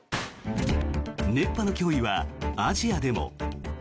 熱波の脅威はアジアでも。